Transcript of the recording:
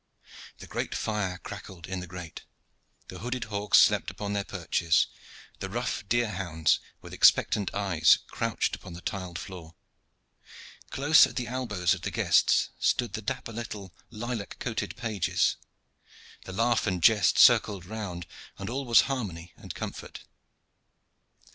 The great fire crackled in the grate, the hooded hawks slept upon their perches, the rough deer hounds with expectant eyes crouched upon the tiled floor; close at the elbows of the guests stood the dapper little lilac coated pages; the laugh and jest circled round and all was harmony and comfort.